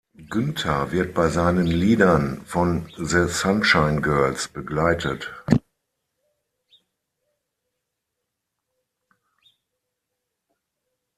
Günther wird bei seinen Liedern von "The Sunshine Girls" begleitet.